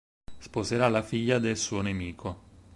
Sposerà la figlia del suo nemico.